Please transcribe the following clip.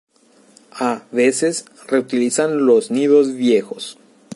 A veces reutilizan los nidos viejos.